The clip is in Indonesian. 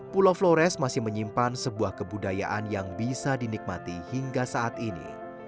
pulau flores masih menyimpan sebuah kebudayaan yang bisa dinikmati hingga saat ini